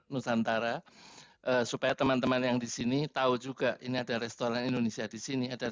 nusantara supaya teman teman yang disini tahu juga ini ada restoran indonesia disini ada